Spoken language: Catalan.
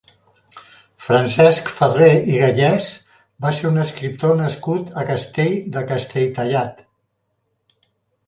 Francesc Ferrer i Gallés va ser un escriptor nascut a Castell de Castelltallat.